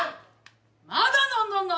まだ飲んどんの？